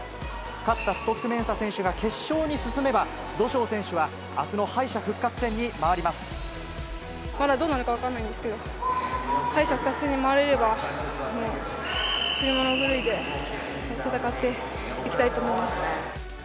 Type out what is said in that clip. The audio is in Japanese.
勝ったストックメンサ選手が決勝に進めば、土性選手は、あすの敗まだどうなるか分からないんですけど、敗者復活戦に回れれば、死に物狂いで戦っていきたいと思